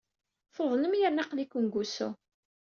Tuḍnem yerna aql-iken deg wusu.